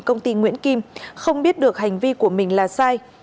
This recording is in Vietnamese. công ty nguyễn kim không biết được hành vi của mình là sai